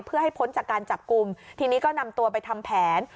เพื่อให้พ้นจากการจับกลุ่มทีนี้ก็นำตัวไปทำแผน